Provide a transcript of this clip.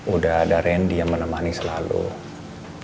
udah ada randy yang menemani selalu